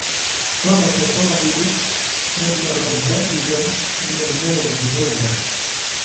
ترك فاضل مبلغا هائلا من المال لليلى.